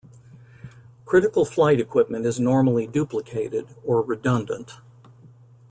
Critical flight equipment is normally duplicated, or redundant.